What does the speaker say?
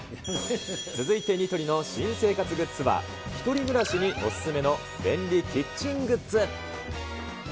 続いてニトリの新生活グッズは、１人暮らしにお勧めの便利キッチングッズ。